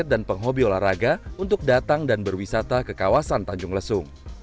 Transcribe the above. penghobi olahraga untuk datang dan berwisata ke kawasan tanjung lesung